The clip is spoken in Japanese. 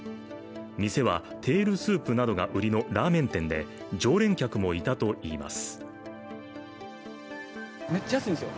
店はテールスープなどが売りのラーメン店で常連客もいたといいます。